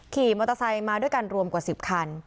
ขี่มอเตอร์ไซค์มาด้วยกันรวมกว่า๑๐คัน